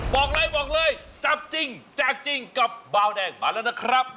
บอกเลยบอกเลยจับจริงแจกจริงกับเบาแดงมาแล้วนะครับ